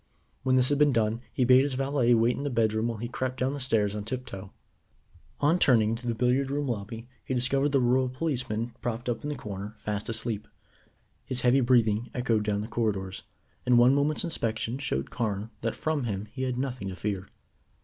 When this had been done he bade his valet wait in the bedroom while he crept down the stairs on tip toe. On turning into the billiard room lobby, he discovered the rural policeman propped up in the corner fast asleep. His heavy breathing echoed down the corridors, and one moment's inspection showed Carne that from him he had nothing to fear.